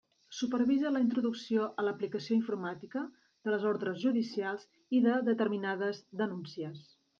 Supervisa la introducció a l'aplicació informàtica de les ordres judicials i de determinades denúncies.